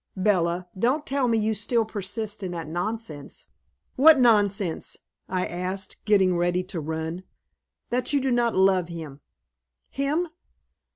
"Bella, don't tell me you still persist in that nonsense." "What nonsense?" I asked, getting ready to run. "That you do not love him." "Him?"